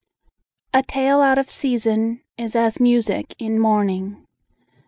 "A tale out of season is as music in mourning."